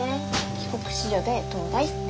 帰国子女で東大って。